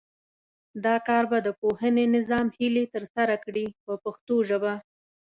دا کار به د پوهنې نظام هیلې ترسره کړي په پښتو ژبه.